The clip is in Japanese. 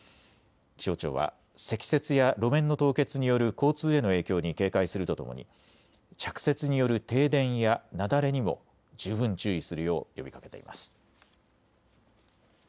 気象庁は積雪や路面の凍結による交通への影響に警戒するとともに着雪による停電や雪崩にも十分注意するよう呼びかけています。